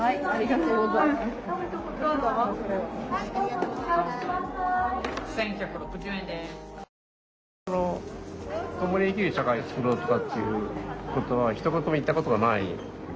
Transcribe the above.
“ともに生きる社会”をつくろうとかっていう言葉はひと言も言ったことがない。